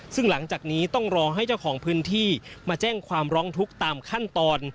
ซึ่งหลังจากนี้ต้องรอให้เจ้าของพื้นที่มาแจ้งความร้องทุกข์ตามขั้นตอน